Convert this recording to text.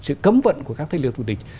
sự cấm vận của các thế lực thủ địch